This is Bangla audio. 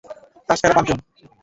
তাঁস খেলা পাঁচজন।